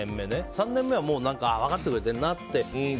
３年目は分かってくれてるなって。